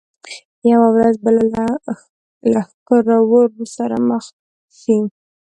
یوه ورځ به له ښکرور سره مخ شي.